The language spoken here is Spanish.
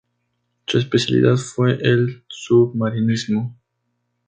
Su especialidad fue el submarinismo.